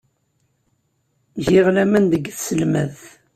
Giɣ laman deg tselmadt.